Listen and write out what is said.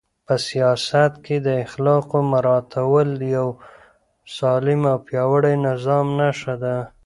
په سیاست کې د اخلاقو مراعاتول د یو سالم او پیاوړي نظام نښه ده.